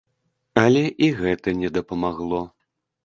Але і гэта не дапамагло.